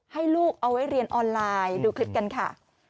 ให้ลูกเอาไว้เรียนออนไลน์ดูคลิปกันค่ะ